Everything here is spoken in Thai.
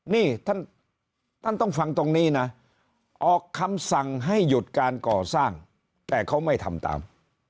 นี่ท่านต้องฟังตรงนี้นะออกคำสั่งให้หยุดการก่อสร้างแต่เขาไม่ทำตาม